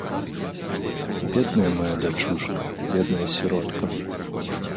Бедная мая дачушка, бедная сіротка.